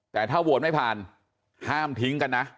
แต่ถ้าโหวตไม่ผ่านห้ามทิ้งกันนะ